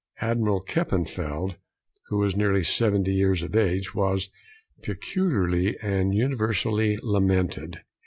Admiral Kempenfeldt, who was nearly 70 years of age, was peculiarly and universally lamented.